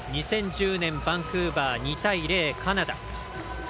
２０１０年バンクーバー２対０、カナダ。